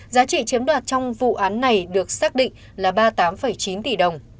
giá trị chiếm đoạt trong vụ án này được xác định là ba mươi tám chín tỷ đồng